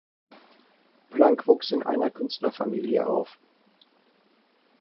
Plank wuchs in einer Künstlerfamilie auf.